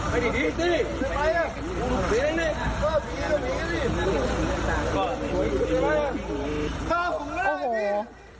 ข้าวผมแล้วเฮ่ย